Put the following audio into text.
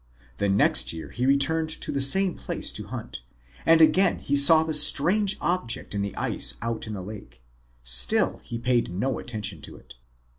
The next year he returned to the same place to hunt, and again saw the strange object in the ice out in the lake. Still he paid no attention to it.